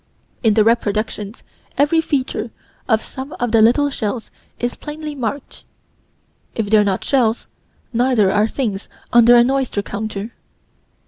In the reproductions every feature of some of the little shells is plainly marked. If they're not shells, neither are things under an oyster counter.